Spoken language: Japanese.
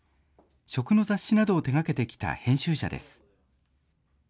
食の雑誌などを手がけてきた編集者です。